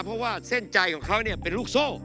มันว่าเส้นใจของเขาเนี้ยเป็นลูกโซ่